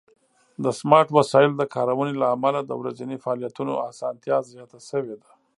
د سمارټ وسایلو د کارونې له امله د ورځني فعالیتونو آسانتیا زیاته شوې ده.